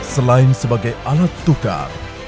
selain sebagai alat tukar